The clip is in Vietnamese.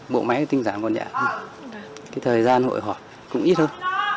bộ máy tinh giảm con nhãn thời gian hội họp cũng ít hơn